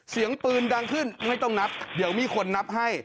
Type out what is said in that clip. เสียงปืนดังขึ้นไม่ต้องนับเดี๋ยวมีคนนับให้